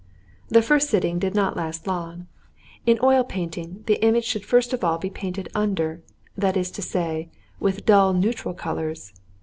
The first sitting did not last long. In oil painting, the image should first of all be painted under, that is to say, with dull neutral colours.